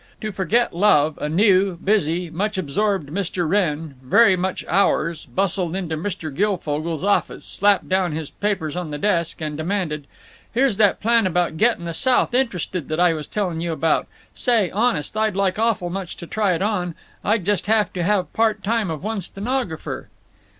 To forget love, a new, busy, much absorbed Mr. Wrenn, very much Ours, bustled into Mr. Guilfogle's office, slapped down his papers on the desk, and demanded: "Here's that plan about gettin' the South interested that I was telling you about. Say, honest, I'd like awful much to try it on. I'd just have to have part time of one stenographer."